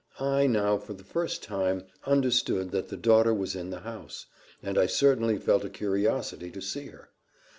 "I now, for the first time, understood that the daughter was in the house; and I certainly felt a curiosity to see her.